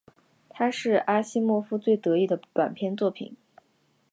它是阿西莫夫最得意的短篇作品。